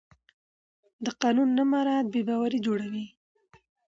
د قانون نه مراعت بې باوري جوړوي